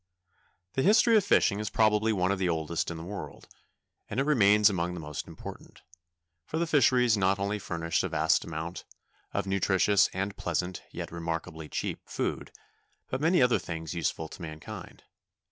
The industry of fishing is probably one of the oldest in the world, and it remains among the most important, for the fisheries not only furnish a vast amount of nutritious and pleasant, yet remarkably cheap, food, but many other things useful to mankind.